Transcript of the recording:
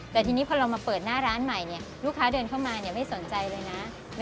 แต่ทีนี้พอเรามาเปิดหน้าร้านใหม่ลูกค้าเดินเข้ามาไม่สนใจเลยนะ